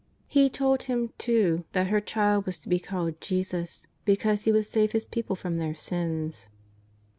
He told him, too, that her Child was to be called JESUS, because He would save His people from their sins.